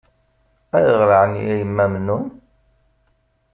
Ayɣer ɛni a Yemma Mennun?